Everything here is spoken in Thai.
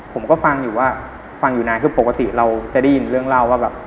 ผมก็ฟังอยู่นานคือปกติเราจะได้ยินเรื่องเล่าว่าแบบ